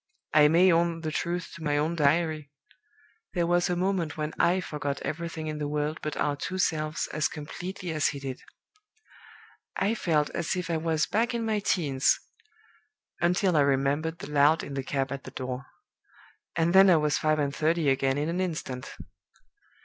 I may own the truth to my own diary! There was a moment when I forgot everything in the world but our two selves as completely as he did. I felt as if I was back in my teens until I remembered the lout in the cab at the door. And then I was five and thirty again in an instant.